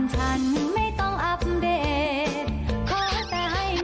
สักนิดนึงได้ไหม